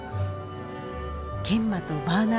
研磨とバーナー加工